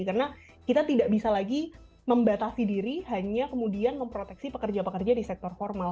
karena kita tidak bisa lagi membatasi diri hanya kemudian memproteksi pekerja pekerja di sektor formal